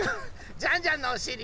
ジャンジャンのおしり。